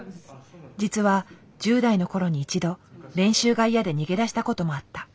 実は１０代の頃に一度練習が嫌で逃げ出した事もあった。